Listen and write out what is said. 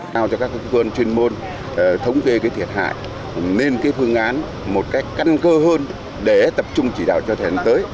nào cho các cơ quan chuyên môn thống kê thiệt hại nên phương án một cách căn cơ hơn để tập trung chỉ đạo cho thẻn tới